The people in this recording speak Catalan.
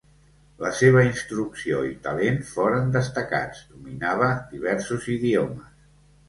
La seva instrucció i talent foren destacats, dominava diversos idiomes.